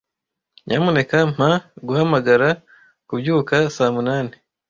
Nyamuneka mpa guhamagara kubyuka saa munani.